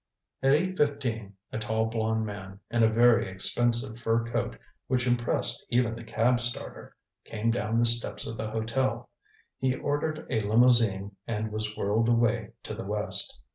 At eight fifteen a tall blond man, in a very expensive fur coat which impressed even the cab starter, came down the steps of the hotel. He ordered a limousine and was whirled away to the west.